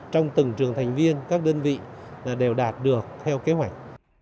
trong từng trường thành viên các đơn vị đều đạt được theo kế hoạch